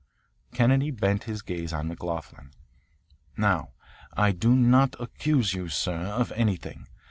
Kennedy bent his gaze on McLoughlin. "Now, I do not accuse you, sir, of anything.